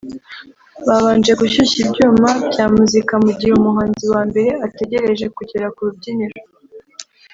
babanje gushyushya ibyuma bya muzika mu gihe umuhanzi wa mbere ategereje kugera ku rubyiniro